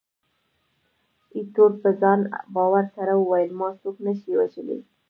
ایټور په ځان باور سره وویل، ما څوک نه شي وژلای.